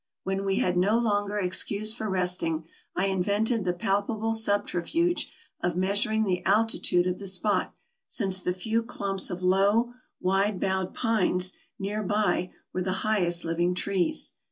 When we had no longer excuse for resting, I invented the palpable subterfuge of measuring the altitude of the spot, since the few clumps of low, wide boughed pines near by were the AMERICA 117 highest living trees.